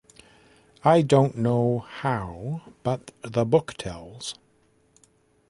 I don't know how, but the book tells.